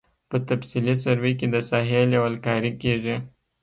په تفصیلي سروې کې د ساحې لیول کاري کیږي